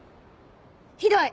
ひどい！